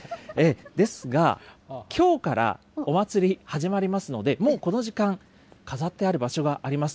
ですが、きょうからお祭り、始まりますので、もうこの時間、飾ってある場所があります。